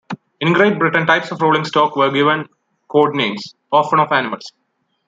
In Great Britain, types of rolling stock were given code names, often of animals.